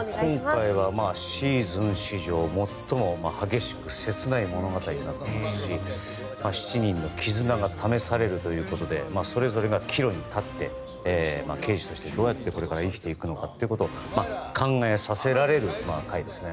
今回はシーズン史上最も激しく切ない物語になっていますし７人の絆が試されるということでそれぞれが岐路に立って刑事としてどうやってこれから生きていくのかということを考えさせられる回ですね。